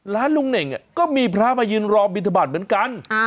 ร้านลุงเน่งก็มีพระมายืนรอบินธบัตรเหมือนกัน